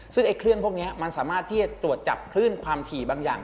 ซึ่งไอ้เครื่องพวกนี้มันสามารถที่จะตรวจจับคลื่นความถี่บางอย่าง